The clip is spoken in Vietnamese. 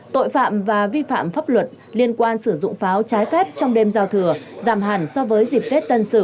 tội phạm và vi phạm pháp luật liên quan sử dụng pháo trái phép trong đêm giao thừa giảm hẳn so với dịp tết tân sử hai nghìn hai mươi một